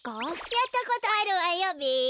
やったことあるわよべ。